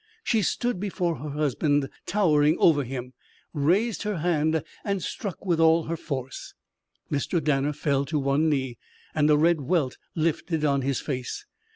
She stood before her husband, towering over him, raised her hand, and struck with all her force. Mr. Danner fell to one knee, and a red welt lifted on his face.